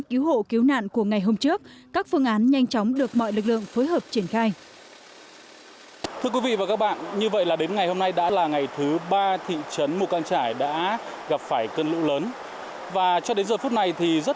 cứu hộ cứu nạn của ngày hôm trước các phương án nhanh chóng được mọi lực lượng phối hợp triển khai